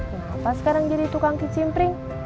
kenapa sekarang jadi tukang kicimpring